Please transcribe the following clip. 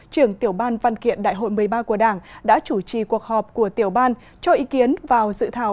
trưởng tiểu ban văn kiện đại hội một mươi ba của đảng đã chủ trì cuộc họp của tiểu ban cho ý kiến vào dự thảo